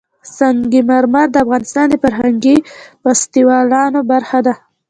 سنگ مرمر د افغانستان د فرهنګي فستیوالونو برخه ده.